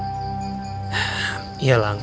yelah tapi aku ingin berbicara denganmu